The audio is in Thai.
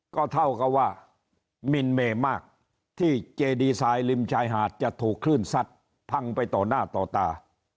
ก็เท่ากับว่ามินเมมากที่เจดีไซน์ริมชายหาดจะถูกคลื่นซัดพังไปต่อหน้าต่อตา